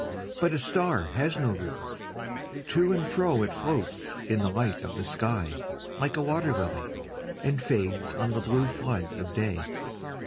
'But a star has no roots : to and fro It floats in the light of the sky, like a wat«r ]ily. And fades on the blue flood of day.